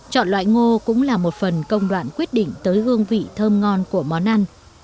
chọn loại ngô cũng là một phần công đoạn quyết định tới hương vị thơm ngon của món ăn